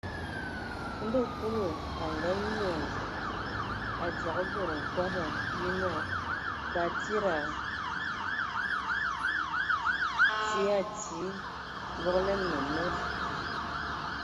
Ndɔ Kulu a anyoan, a dzǝgə bod nkobɔ, nye naa Batsidi a tii a tii, vogolanə ma a a.